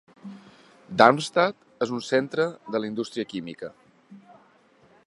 Darmstadt és un centre de la indústria química.